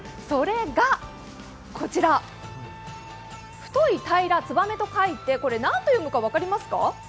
それが、こちら太い、平ら、燕と書いてこれ何と読むか分かりますか？